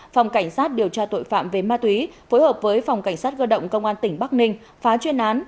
phòng cảnh sát điều tra tội phạm về ma túy phối hợp với phòng cảnh sát cơ động công an tỉnh bắc ninh phá chuyên án